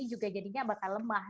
ini juga jadinya bakal lemah